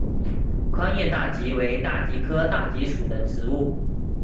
宽叶大戟为大戟科大戟属的植物。